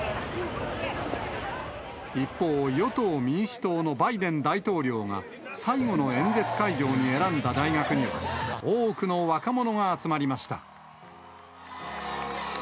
一方、与党・民主党のバイデン大統領が、最後の演説会場に選んだ大学には、多くの若者が集まりました。